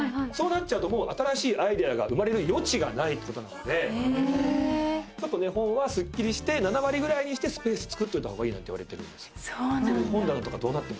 そうなっちゃうと新しいアイデアが生まれる余地がないってことなんで本は７割ぐらいにしてスペース作っといた方がいいなんていわれてるんです。